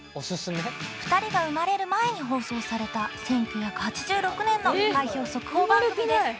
２人が生まれる前に放送された１９８６年の開票速報番組です。